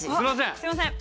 すみません。